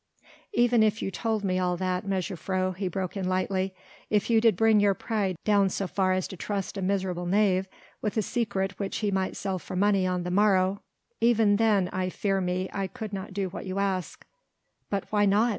"Even if you told me all that, mejuffrouw," he broke in lightly, "if you did bring your pride down so far as to trust a miserable knave with a secret which he might sell for money on the morrow even then, I fear me, I could not do what you ask." "But why not?"